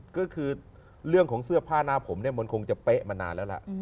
ก็คือเรื่องของเสื้อผ้าหน้าผมเนี่ยมันคงจะเป๊ะมานานแล้วล่ะ